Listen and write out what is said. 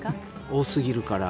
多すぎるから。